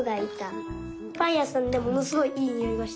パンやさんでものすごいいいにおいがした。